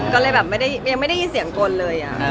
ก็เลยแบบไม่ได้ยินเสียงโกนเลยอะ